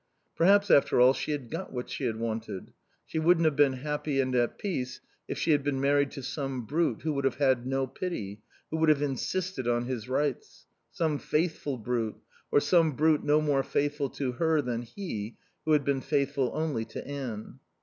Perhaps, after all, she had got what she had wanted. She wouldn't have been happy and at peace if she had been married to some brute who would have had no pity, who would have insisted on his rights. Some faithful brute; or some brute no more faithful to her than he, who had been faithful only to Anne.